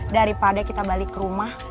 daripada kita balik ke rumah